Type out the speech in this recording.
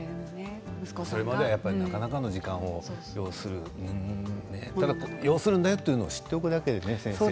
それまではなかなかの時間を要するただ要するんだよというのを知っておくだけでね。